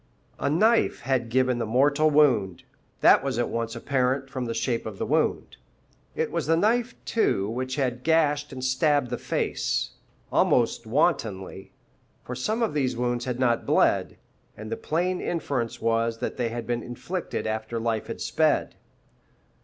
A knife had given the mortal wound; that was at once apparent from the shape of the wound. It was the knife, too, which had gashed and stabbed the face, almost wantonly; for some of these wounds had not bled, and the plain inference was that they had been inflicted after life had sped.